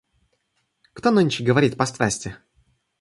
Кто нынче говорит про страсти?